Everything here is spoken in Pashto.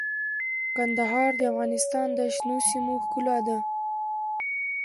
کندهار د افغانستان د شنو سیمو ښکلا ده.